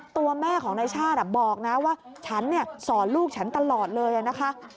ตัวแม่ของนายชาติบอกนะว่าฉันสอนลูกฉันตลอดเลยนะคะ